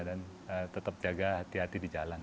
dan tetap jaga hati hati di jalan